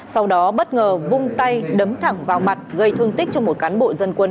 sau đó bất ngờ vung tay đấm thẳng vào mặt gây thương tích cho một cán bộ dân quân